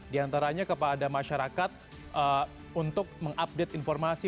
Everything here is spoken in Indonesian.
diantaranya kepada masyarakat untuk mengupdate informasi